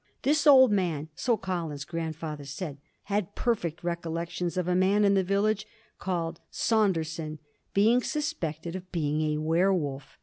This old man, so Colin's grandfather said, had perfect recollections of a man in the village called Saunderson being suspected of being a werwolf.